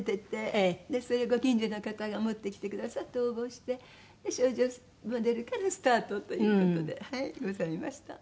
それをご近所の方が持ってきてくださって応募して少女モデルからスタートという事でございました。